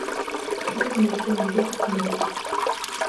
өдрийн тэмдэглэлээ нөгөө талд нь байрлуул.